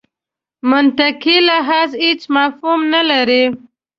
منطقي لحاظ هېڅ مفهوم نه لري.